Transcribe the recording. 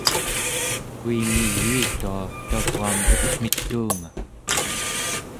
kuingiyuitua tau͡gaam iqmituunga